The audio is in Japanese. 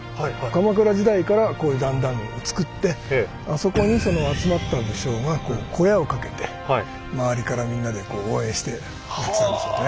鎌倉時代からこういう段々をつくってあそこに集まった武将が小屋をかけて周りからみんなで応援してやってたんでしょうね。